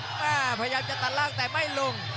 พยายามจะตัดล่างแต่ไม่ลง